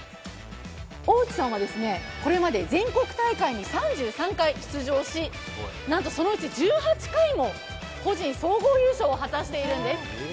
大内さんはこれまで全国大会に３３回出場しなんとそのうち１８回も個人総合優勝をしているんです。